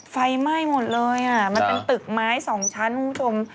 ไฟไหม้หมดเลยอ่ะมันเป็นตึกไม้สองชั้นคุณผู้ชม